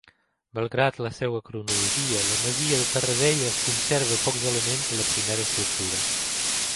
Malgrat la seva cronologia, la masia de Terradelles conserva pocs elements de la primera estructura.